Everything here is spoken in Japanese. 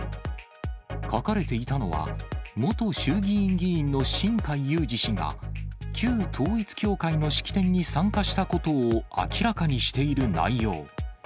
書かれていたのは、元衆議院議員の新開裕司氏が、旧統一教会の式典に参加したことを明らかにしている内容。